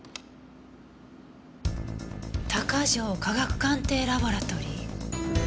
「鷹城科学鑑定ラボラトリー」。